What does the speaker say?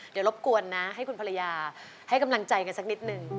เดี๋ยวรบกวนนะให้คุณภรรยาให้กำลังใจกันสักนิดนึง